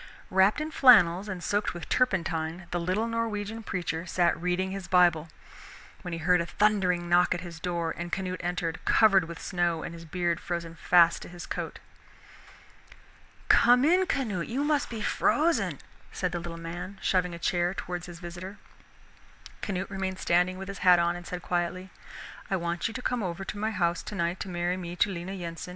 Wrapped in flannels and soaked with turpentine, the little Norwegian preacher sat reading his Bible, when he heard a thundering knock at his door, and Canute entered, covered with snow and his beard frozen fast to his coat. "Come in, Canute, you must be frozen," said the little man, shoving a chair towards his visitor. Canute remained standing with his hat on and said quietly, "I want you to come over to my house tonight to marry me to Lena Yensen."